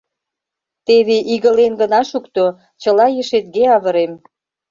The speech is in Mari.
Теве игылен гына шукто, чыла ешетге авырем.